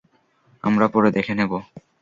আমরা পরে দেখে নেব।